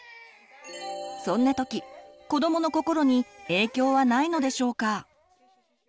そんな時子どもの心に影響はないのでしょうか？